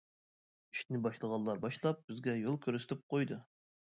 ئىشنى باشلىغانلار باشلاپ بىزگە يول كۆرسىتىپ قويدى.